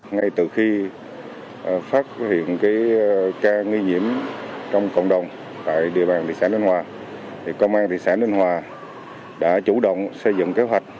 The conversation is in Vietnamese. ngay từ khi phát hiện ca nghi nhiễm trong cộng đồng tại địa bàn thị xã ninh hòa công an thị xã ninh hòa đã chủ động xây dựng kế hoạch